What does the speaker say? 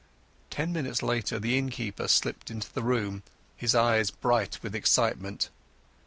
Ten minutes later the innkeeper slipped into the room, his eyes bright with excitement.